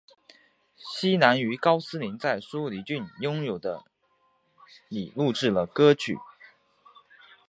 希兰于高斯林在舒梨郡拥有的里录制了歌曲。